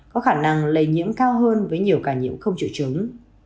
có khả năng lây nhiễm cao hơn với nhiều ca nhiễm không triệu chứng